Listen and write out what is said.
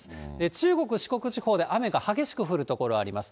中国、四国地方で雨が激しく降る所があります。